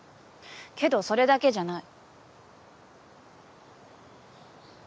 けどそれだけじゃない。